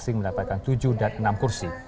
pdip mendapatkan tujuh dan enam kursi